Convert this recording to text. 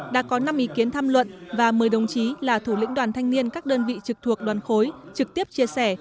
đã có năm ý kiến tham luận và một mươi đồng chí là thủ lĩnh đoàn thanh niên các đơn vị trực thuộc đoàn khối trực tiếp chia sẻ